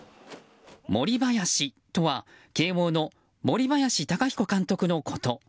森林とは慶応の森林貴彦監督のこと。